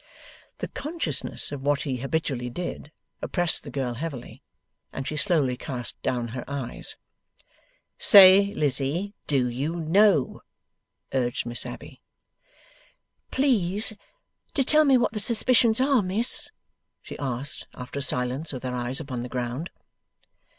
The consciousness of what he habitually did, oppressed the girl heavily, and she slowly cast down her eyes. 'Say, Lizzie. Do you know?' urged Miss Abbey. 'Please to tell me what the suspicions are, Miss,' she asked after a silence, with her eyes upon the ground.